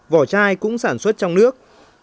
vỏ chai cũng sản xuất trong nước